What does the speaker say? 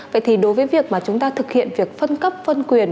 vậy thì đối với việc mà chúng ta thực hiện việc phân cấp phân quyền